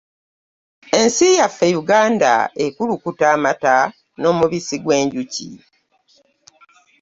Ensi yaffe Uganda ekulukuta amata n'omubisi gwenjuki.